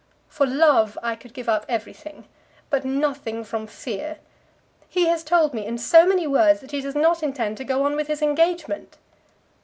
For love I could give up everything; but nothing from fear. He has told me in so many words that he does not intend to go on with his engagement!"